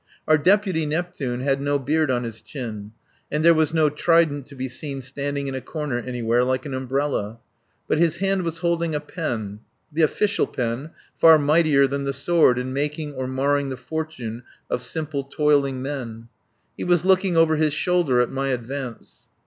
Our deputy Neptune had no beard on his chin, and there was no trident to be seen standing in a corner anywhere, like an umbrella. But his hand was holding a pen the official pen, far mightier than the sword in making or marring the fortune of simple toiling men. He was looking over his shoulder at my advance.